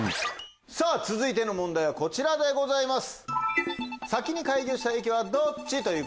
続いての問題はこちらでございます。